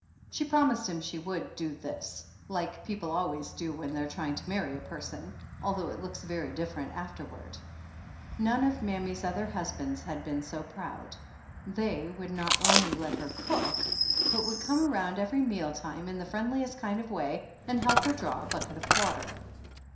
She promised him she would do this, like people always do when they're try ing to marry a person, although it looks very different afterward. None of mammy's other husbands had been so proud. They would not only let her cook, but would come around every meal time, in the friendliest kind of way, and help her draw a bucket of water.